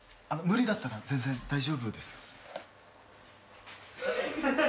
無理だったら全然大丈夫です。